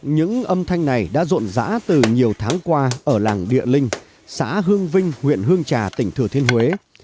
những âm thanh này đã rộn rã từ nhiều tháng qua ở làng địa linh xã hương vinh huyện hương trà tỉnh thừa thiên huế